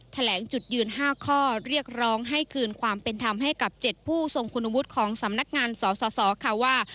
แถลงจุดยืน๕ข้อเรียกร้องให้คืนความเป็นธรรมให้กับ๗ผู้ทรงคุณวุฒิของสำนักงานสสค่ะว่า